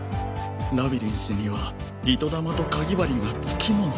「ラビリンスには糸玉とかぎ針がつきもの」